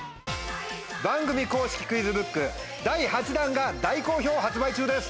番組公式クイズブック第８弾が大好評発売中です。